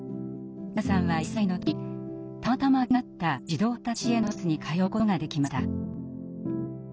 璃香さんは１歳の時たまたま空きがあった児童発達支援の施設に通うことができました。